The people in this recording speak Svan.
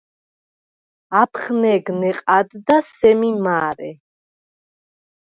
აფხნეგ ნეყა̄̈დდა სემი მა̄რე.